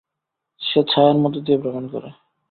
সে ছায়ার মধ্য দিয়ে ভ্রমণ করে।